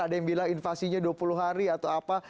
ada yang bilang invasinya dua puluh hari atau apa